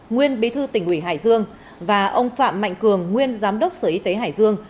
nguyên bí thư tỉnh ủy hải dương và ông phạm mạnh cường nguyên giám đốc sở y tế hải dương